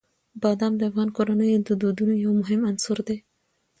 بادام د افغان کورنیو د دودونو یو مهم عنصر دی.